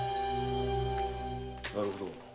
なるほど。